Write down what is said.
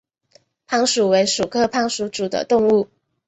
攀鼠为鼠科攀鼠属的动物。